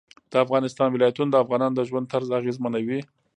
د افغانستان ولايتونه د افغانانو د ژوند طرز اغېزمنوي.